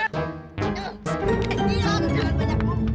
eh jangan jangan banyak